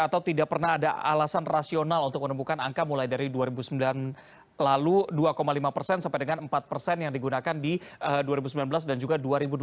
atau tidak pernah ada alasan rasional untuk menemukan angka mulai dari dua ribu sembilan lalu dua lima persen sampai dengan empat persen yang digunakan di dua ribu sembilan belas dan juga dua ribu dua puluh